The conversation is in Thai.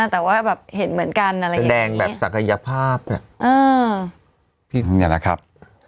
แต่ว่าแบบเห็นเหมือนกันอะไรอย่างนี้แสดงแบบศักยภาพพี่เนี่ยนะครับ